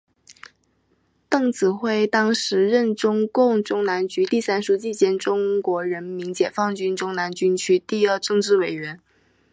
邓子恢当时任中共中南局第三书记兼中国人民解放军中南军区第二政治委员。